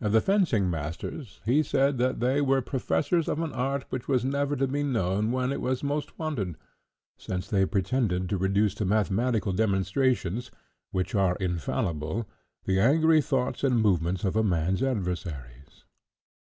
Of the fencing masters he said, that they were professors of an art which was never to be known when it was most wanted, since they pretended to reduce to mathematical demonstrations, which are infallible, the angry thoughts and movements of a man's adversaries.